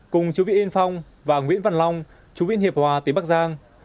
cùng chú viện yên phong và nguyễn văn long chú viện hiệp hòa tiếng bắc giang